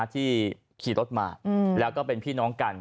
ที่ขี่รถมาแล้วก็เป็นพี่น้องกัน